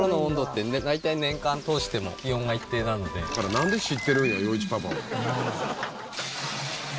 なんで知ってるんや余一パパは。